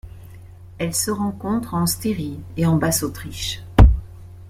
Elle se rencontre en Styrie et en Basse-Autriche.